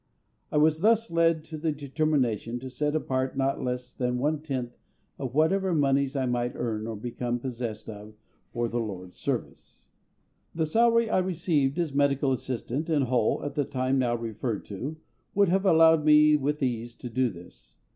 I was thus led to the determination to set apart not less than one tenth of whatever moneys I might earn or become possessed of for the LORD'S service. The salary I received as medical assistant in Hull at the time now referred to would have allowed me with ease to do this.